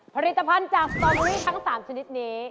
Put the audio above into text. ผลิตภัณฑ์จากสตอเบอรี่ทั้ง๓ชนิดนี้